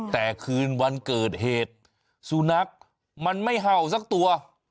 แต่คืนวันเกิดเหตุสุนัขมันไม่เห่าสักตัว